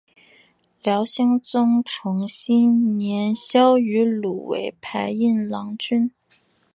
辽兴宗重熙年间萧迂鲁为牌印郎君。